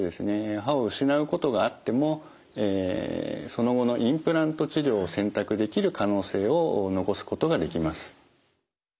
歯を失うことがあってもその後のインプラント治療を選択できる可能性を残すことができます。